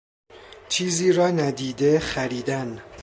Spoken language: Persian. چیزی را ندیده خریدن